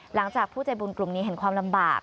หลังจากผู้ใจบุญกลุ่มนี้เห็นความลำบาก